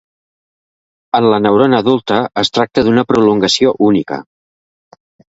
En la neurona adulta es tracta d'una prolongació única.